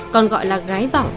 còn gọi là gái vọng